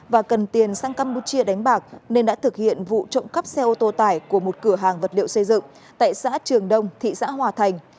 và cần tiền sang campuchia đánh bạc nên đã thực hiện vụ trộm cắp xe ô tô tải của một cửa hàng vật liệu xây dựng tại xã trường đông thị xã hòa thành